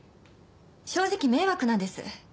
正直迷惑なんです。